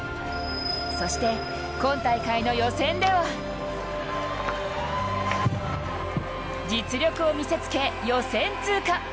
そして、今大会の予選では実力を見せつけ、予選通過。